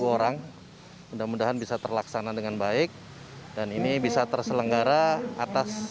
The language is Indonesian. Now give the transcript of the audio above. sepuluh orang mudah mudahan bisa terlaksana dengan baik dan ini bisa terselenggara atas